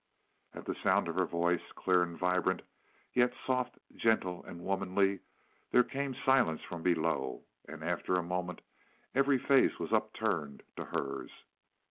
At the sound of her voice, clear and vibrant, yet soft, gentle and womanly, there came silence from below, and after a moment every face was upturned to hers.